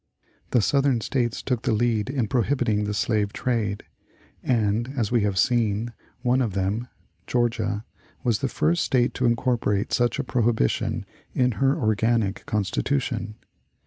The Southern States took the lead in prohibiting the slave trade, and, as we have seen, one of them (Georgia) was the first State to incorporate such a prohibition in her organic Constitution.